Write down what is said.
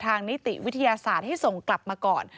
นิติวิทยาศาสตร์ให้ส่งกลับมาก่อน